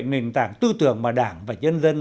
nền tảng tư tưởng mà đảng và nhân dân